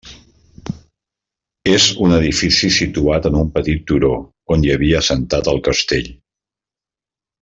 És un edifici situat en un petit turó on hi havia assentat el castell.